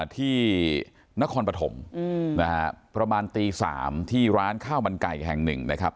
ที่นครปฐมนะฮะประมาณตี๓ที่ร้านข้าวมันไก่แห่งหนึ่งนะครับ